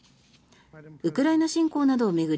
ウクライナ侵攻などを巡り